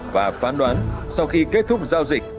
và phán đoán sau khi kết thúc giao dịch